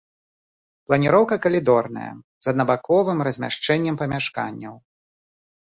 Планіроўка калідорная з аднабаковым размяшчэннем памяшканняў.